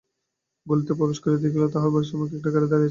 গলিতে প্রবেশ করিয়া দেখিল তাহার বাড়ির সমুখে একটা গাড়ি দাঁড়াইয়া আছে।